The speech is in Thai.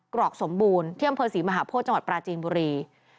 กรอกสมบูรณ์ที่อำเภอศรีมหาโพธิจังหวัดปราจีนบุรี